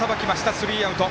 スリーアウト。